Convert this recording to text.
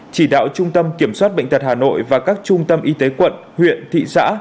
chỉ đạo trung tâm kiểm soát bệnh tật hà nội và các trung tâm y tế quận huyện thị xã